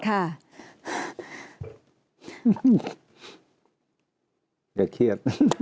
อย่าเครียด